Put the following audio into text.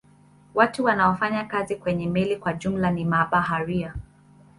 Watu wanaofanya kazi kwenye meli kwa jumla ni mabaharia.